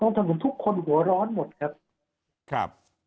คนบนท้องถนนทุกคนหัวร้อนหมดครับ